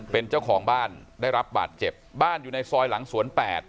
เป็นเจ้าของบ้านได้รับบาดเจ็บบ้านอยู่ในซอยหลังสวน๘